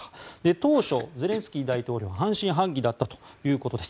当初、ゼレンスキー大統領は半信半疑だったということです。